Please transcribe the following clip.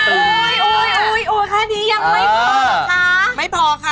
อุ๊ยค่ะนี่ยังไม่พอหรอคะ